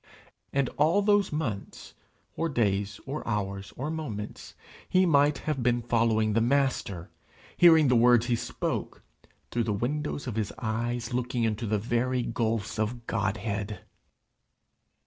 And all those months, or days, or hours, or moments, he might have been following the Master, hearing the words he spoke, through the windows of his eyes looking into the very gulfs of Godhead!